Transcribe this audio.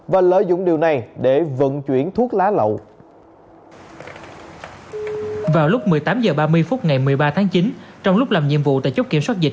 vào lúc một mươi tám h ba mươi phút ngày một mươi ba tháng chín trong lúc làm nhiệm vụ tại chốt kiểm soát dịch